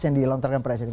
yang dilontarkan presiden